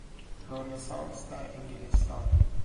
رنسانس در انگلستان